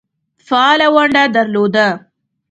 فعاله ونډه درلوده.